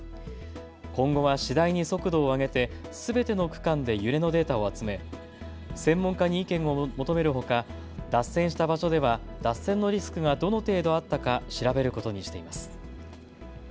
今後は次第に速度を上げてすべての区間で揺れのデータを集め専門家に意見を求めるほか脱線した場所では脱線のリスクがどの程度あったか調べることにしています。